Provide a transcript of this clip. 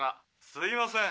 「すいません。